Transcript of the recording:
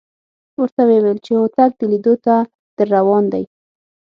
ورته وېویل چې هوتک د لیدو ته درروان دی.